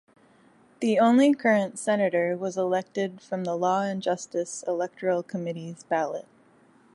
The only current senator was elected from the Law and Justice electoral committee's ballot.